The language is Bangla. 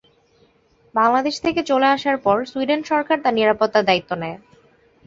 বাংলাদেশ থেকে চলে আসার পর সুইডেন সরকার তার নিরাপত্তার দায়িত্ব নেয়।